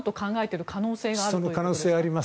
その可能性はあります。